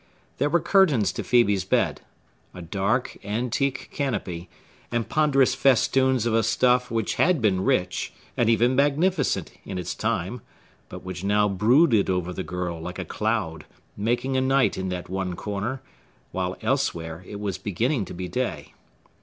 There were curtains to Phœbe's bed; a dark, antique canopy, and ponderous festoons of a stuff which had been rich, and even magnificent, in its time; but which now brooded over the girl like a cloud, making a night in that one corner, while elsewhere it was beginning to be day.